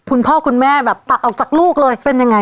คุณพ่อคุณแม่แบบตัดออกจากลูกเลยเป็นยังไง